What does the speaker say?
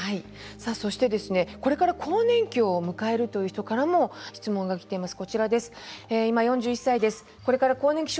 そしてこれから更年期を迎えるという人からも質問がきています。